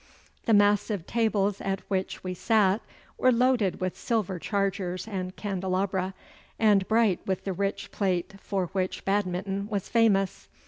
The massive tables at which we sat were loaded with silver chargers and candelabra, and bright with the rich plate for which Badminton was famous.